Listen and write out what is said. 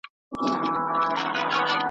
ما یې فال دی پر اورغوي له ازل سره کتلی ,